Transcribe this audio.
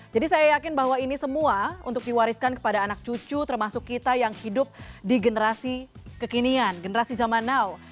jadi saya yakin bahwa ini semua untuk diwariskan kepada anak cucu termasuk kita yang hidup di generasi kekinian generasi zaman now